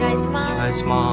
お願いします。